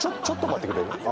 ちょっと待ってくれる？